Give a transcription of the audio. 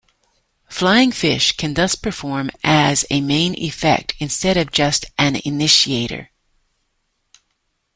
Flying fish can thus perform as a main effect instead of just an initiator.